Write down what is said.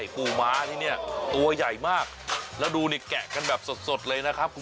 เข้าใจต้องกับฮูที่สาไม่ต้องค่ะ